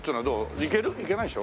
行けないでしょ？